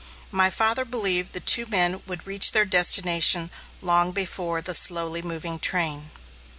My father believed the two men would reach their destination long before the slowly moving train.